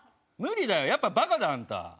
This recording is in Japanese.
無理だよやっぱバカだあんた。